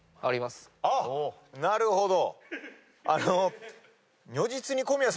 なるほど。